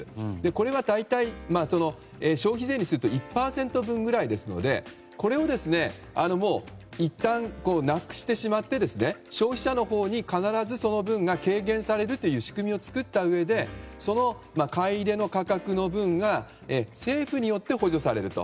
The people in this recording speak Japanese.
これは大体、消費税にすると１％分くらいですのでこれをいったんなくしてしまって消費者のほうに、必ずその分が軽減されるという仕組みを作ったうえでその買い入れの価格の分が政府によって補助されると。